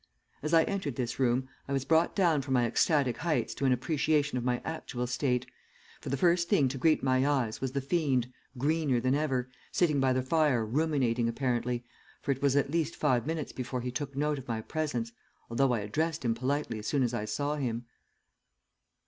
As I entered this room I was brought down from my ecstatic heights to an appreciation of my actual state, for the first thing to greet my eyes was the fiend, greener than ever, sitting by the fire ruminating apparently, for it was at least five minutes before he took note of my presence, although I addressed him politely as soon as I saw him.